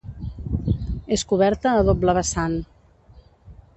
És coberta a doble vessant.